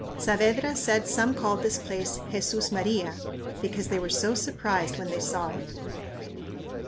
Saavedra said some called this place "Jesús Maria" because they were so surprised when they saw it.